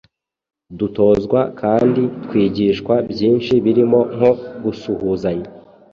dutozwa kandi twigishwa byinshi birimo nko gusuhuzanya,